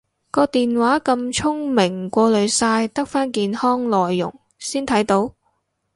個電話咁聰明過濾晒得返健康內容先睇到？